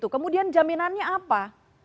kemudian jaminannya apa